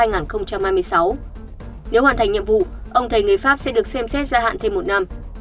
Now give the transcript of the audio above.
nếu hoàn thành nhiệm vụ ông thầy người pháp sẽ được xem xét gia hạn thêm một năm